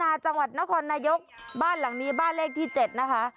จังหวัดนครนายกบ้านหลังนี้บ้านเลขที่เจ็ดนะคะ